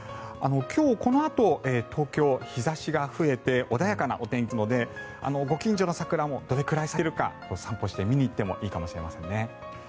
今日、このあと東京は日差しが増えて穏やかなお天気になりますのでご近所の桜もどれくらい咲いているか散歩して見に行ってもいいかもしれませんね。